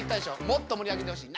もっと盛り上げてほしい。